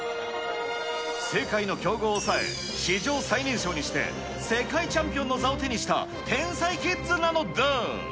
世界の強豪を抑え、史上最年少にして、世界チャンピオンの座を手にした天才キッズなのだ。